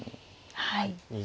はい。